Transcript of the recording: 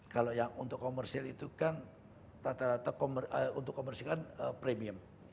kalau yang untuk komersil itu kan rata rata untuk komersil kan premium